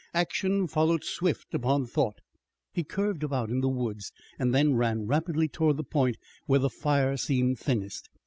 Action followed swift upon thought. He curved about in the woods and then ran rapidly toward the point where the fire seemed thinnest.